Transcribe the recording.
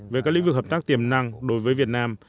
về các lĩnh vực hợp tác tiềm năng đối với việt nam